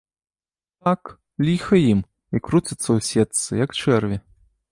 Так, ліха ім, і круцяцца ў сетцы, як чэрві.